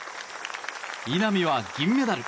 稲見は銀メダル！